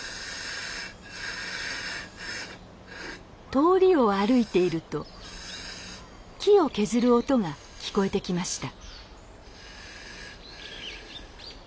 通りを歩いていると木を削る音が聞こえてきました。